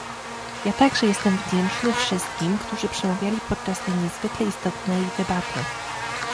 Ja także jestem wdzięczny wszystkim, którzy przemawiali podczas tej niezwykle istotnej debaty